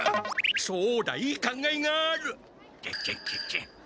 そうだいい考えがある。